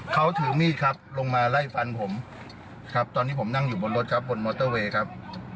เขาถือมีดครับลงมาไล่ฟันผมครับตอนนี้ผมนั่งอยู่บนรถครับบนมอเตอร์เวย์ครับ